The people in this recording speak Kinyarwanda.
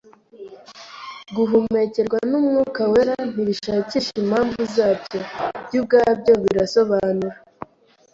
Guhumekerwa n'Umwuka wera ntibishakisha impamvu zabyo, byo ubwabyo birisobanura